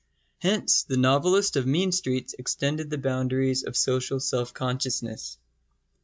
Hence the novelist of mean streets extended the boundaries of social self consciousness.